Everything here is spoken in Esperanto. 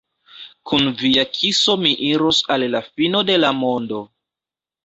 Kun via kiso mi iros al la fino de la mondo!